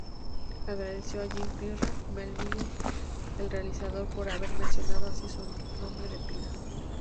Agradeció a Jean-Pierre Melville, el realizador, por haber mencionado así su nombre de pila.